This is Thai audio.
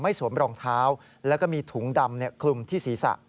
สวมรองเท้าแล้วก็มีถุงดำคลุมที่ศีรษะ